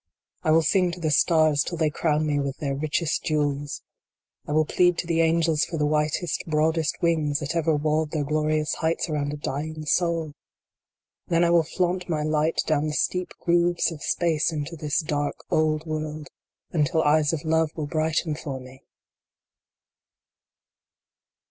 31 I will sing to the stars till they crown me with their richest jewels ! I will plead to the angels for the whitest, broadest wings that ever walled their glorious heights around a dying soul ! Then I will flaunt my light down the steep grooves of space into this dark, old world, until Eyes of Love will brighten for me